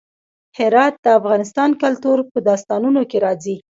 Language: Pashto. هرات د افغان کلتور په داستانونو کې راځي.